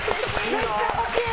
めっちゃ欲しい！